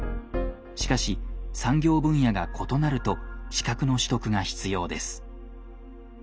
しかし産業分野が異なると資格の取得が必要です。